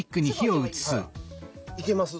いけます？